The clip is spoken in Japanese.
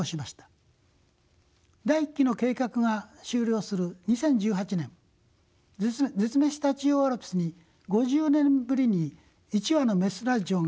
第一期の計画が終了する２０１８年絶滅した中央アルプスに５０年ぶりに１羽の雌ライチョウが飛来しました。